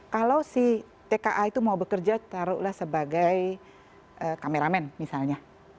kalau si tka itu mau bekerja taruhlah sebagai kameramen misalnya